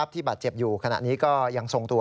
ที่บาดเจ็บอยู่ขณะนี้ก็ยังทรงตัว